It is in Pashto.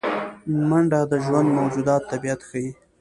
منډه د ژوندي موجوداتو طبیعت ښيي